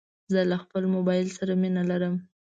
زه له خپل موبایل سره مینه لرم.